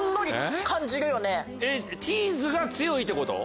チーズが強いってこと？